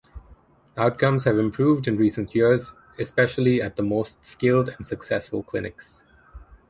Outcomes have improved in recent years, especially at the most skilled and successful clinics.